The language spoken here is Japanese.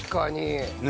ねえ。